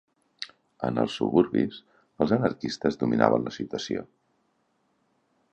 En els suburbis, els anarquistes dominaven la situació